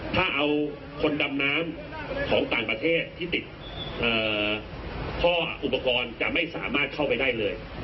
ถ้าเอาคนดำน้ำของต่างประเทศที่ติดท่ออุปกรณ์จะไม่สามารถเข้าไปได้เลย